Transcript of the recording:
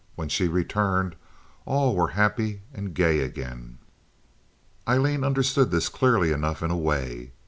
When she returned, all were happy and gay again. Aileen understood this clearly enough in a way.